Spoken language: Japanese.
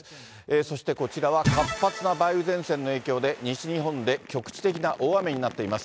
そしてこちらは、活発な梅雨前線の影響で、西日本で局地的な大雨になっています。